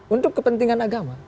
untuk kepentingan agama